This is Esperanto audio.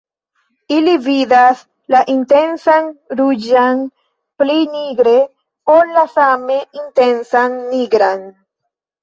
Ili vidas la intensan ruĝan pli nigre ol la same intensan nigran.